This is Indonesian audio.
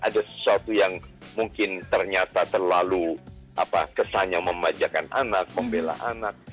ada sesuatu yang mungkin ternyata terlalu kesannya memanjakan anak membela anak